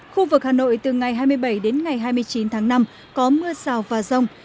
khu vực hà nội từ ngày hai mươi bảy đến ngày hai mươi chín tháng năm có mưa rào và rông